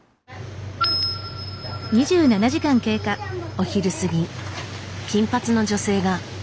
お昼過ぎ金髪の女性が。